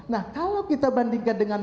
nah kalau kita bandingkan dengan